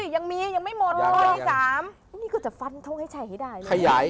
ยังมียังไม่หมดอย่างนี้ก็จะฟันทุกข์ให้ใช้ให้ได้